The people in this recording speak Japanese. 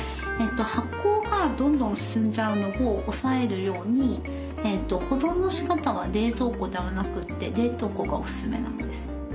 発酵がどんどん進んじゃうのを抑えるように保存のしかたは冷蔵庫ではなくて冷凍庫がおすすめなんです。